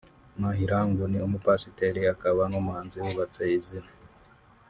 Mahlangu ni umupasiteri akaba n’umuhanzi wubatse izina